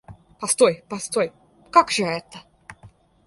Постой, постой, как же это?